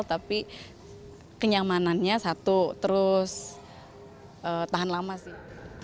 tapi kenyamanannya satu terus tahan lama sih